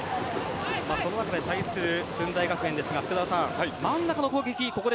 その中で対する駿台学園ですが真ん中の攻撃